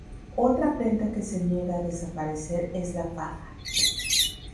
Otra prenda que se niega a desaparecer es la faja.